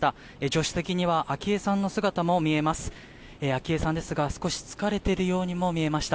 助手席には昭恵さんの姿も見えます。